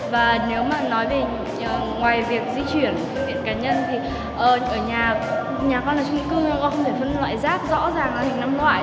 và nếu mà nói về ngoài việc di chuyển việc cá nhân thì ở nhà con là trung tâm cơ nên con không thể phân loại rác rõ ràng là hình năm loại